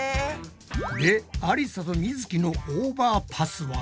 でありさとみづきのオーバーパスは？